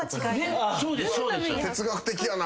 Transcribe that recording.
哲学的やな。